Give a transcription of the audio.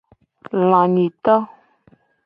Lanyito.